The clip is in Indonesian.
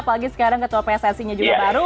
apalagi sekarang ketua pssi nya juga baru